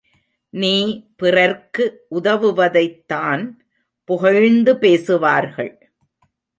நீ பிறர்க்கு உதவுவதைத் தான் புகழ்ந்து பேசுவார்கள்.